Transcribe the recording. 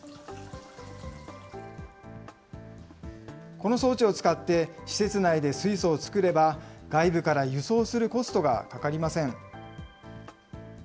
この装置を使って施設内で水素を作れば、外部から輸送するコストがかかりません。